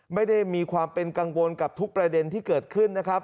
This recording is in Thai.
ไม่ได้มีความเป็นกังวลกับทุกประเด็นที่เกิดขึ้นนะครับ